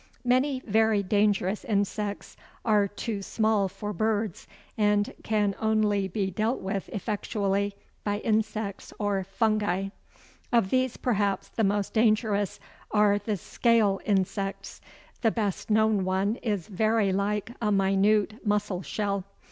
Many very dangerous insects are too small for birds, and can only be dealt with effectually by insects or fungi. Of these perhaps the most dangerous are the "scale" insects. The best known one is very like a minute mussel shell.